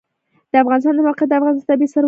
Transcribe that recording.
د افغانستان د موقعیت د افغانستان طبعي ثروت دی.